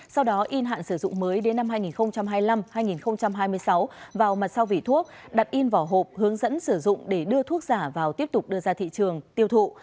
sau đó in hạn sử dụng mới đến năm hai nghìn hai mươi năm hai nghìn hai mươi sáu vào mặt sau vỉ thuốc đặt in vỏ hộp hướng dẫn sử dụng để đưa thuốc giả vào tiếp tục đưa ra thị trường tiêu thụ